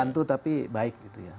hantu tapi baik gitu ya